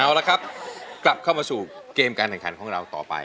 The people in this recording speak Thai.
โอเคนะครับกลับเข้ามาสู่เกมการสังคัญต่อไป